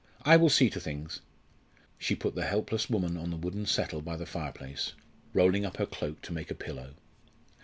I will see to things." She put the helpless woman on the wooden settle by the fireplace, rolling up her cloak to make a pillow.